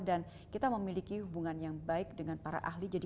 dan kita memiliki hubungan yang baik dengan para ahli